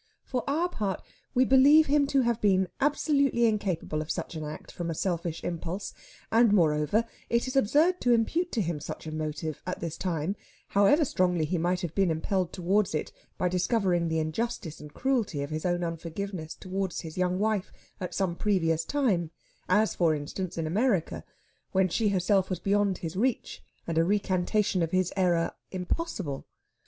For our part we believe him to have been absolutely incapable of such an act from a selfish impulse; and, moreover, it is absurd to impute to him such a motive, at this time, however strongly he might have been impelled towards it by discovering the injustice and cruelty of his own unforgiveness towards his young wife at some previous time as, for instance, in America when she herself was beyond his reach, and a recantation of his error impossible.